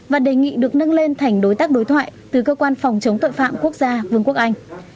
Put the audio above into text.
và đề nghị được nâng lên thành đối tác đối thoại từ cơ quan phòng chống tội phạm quốc gia vương quốc anh